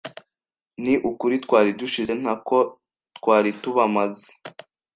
Ni ukuri twari dushize nako twari tubamaze